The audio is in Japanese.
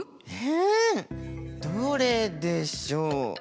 えどれでしょう？